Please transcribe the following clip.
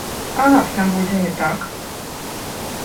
А раптам будзе не так?